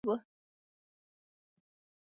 هغه یوازې د کمپیوټر په کاغذونو پوښل شوې وه